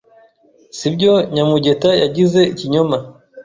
Si byo Nyamugeta yagize ikinyoma